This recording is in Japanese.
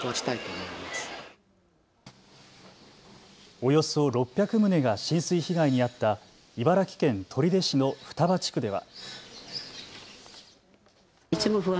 およそ６００棟が浸水被害にあった茨城県取手市の双葉地区では。